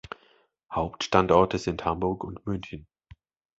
Hauptstandorte sind Hamburg und München.